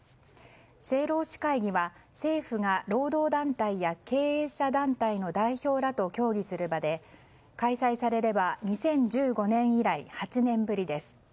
政労使会議は政府が労働団体や経営者団体の代表らと協議する場で、開催されれば２０１５年以来８年ぶりです。